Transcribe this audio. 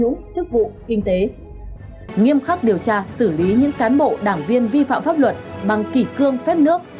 nghiêm khắc điều tra xử lý những cán bộ đảng viên vi phạm pháp luật bằng kỷ cương phép nước